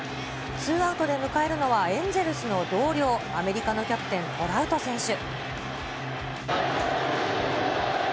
ツーアウトで迎えるのはエンゼルスの同僚、アメリカのキャプテン、トラウト選手。